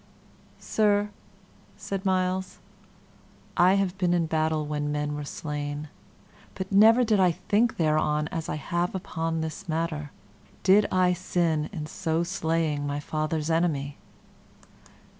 "Sir," said Myles, "I have been in battle when men were slain, but never did I think thereon as I have upon this matter. Did I sin in so slaying my father's enemy?"